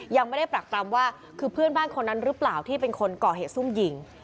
ยังไม่ได้ปรักปรำว่าคือเพื่อนบ้านคนนั้นหรือเปล่าที่เป็นคนก่อเหตุซุ่มยิง